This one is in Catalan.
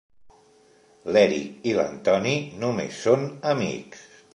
L'Eric i l'Antoni només són amics.